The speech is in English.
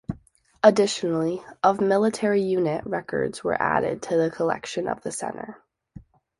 Additionally, of military unit records were added to the collection of the center.